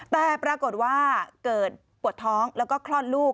แต่ปรากฏว่าเกิดปวดท้องแล้วก็คลอดลูก